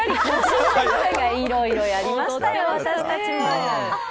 いろいろやりましたよ、私たちも。